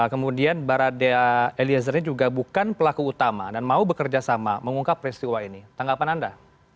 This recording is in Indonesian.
kemudian barada eliezer ini juga bukan pelaku utama dan mau bekerja sama mengungkap peristiwa ini tanggapan anda